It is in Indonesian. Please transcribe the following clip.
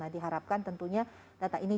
diharapkan tentunya data ini